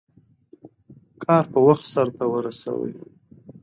کار په وخت سرته ورسوئ.